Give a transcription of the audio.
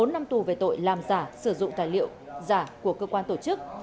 bốn năm tù về tội làm giả sử dụng tài liệu giả của cơ quan tổ chức